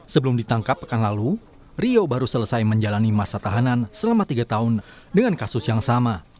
sebelum ditangkap pekan lalu rio baru selesai menjalani masa tahanan selama tiga tahun dengan kasus yang sama